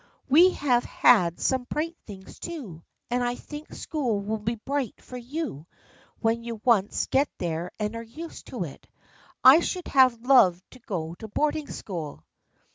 We have had some bright things, too, and I think school will be bright for you when you once get there and are used to it. I should have loved to go to boarding school."